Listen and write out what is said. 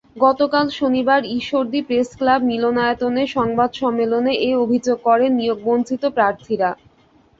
গতকাল শনিবার ঈশ্বরদী প্রেসক্লাব মিলনায়তনে সংবাদ সম্মেলনে এ অভিযোগ করেন নিয়োগবঞ্চিত প্রার্থীরা।